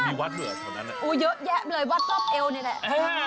มีวัดเหรอตอนนั้นอุ๊ยเยอะแยะเลยวัดรอบเอวนี่แหละ